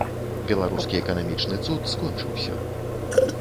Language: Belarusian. Беларускі эканамічны цуд скончыўся.